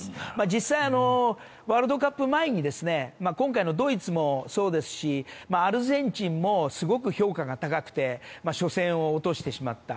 実際、ワールドカップ前に今回のドイツもそうですしアルゼンチンもすごく評価が高くて初戦を落としてしまった。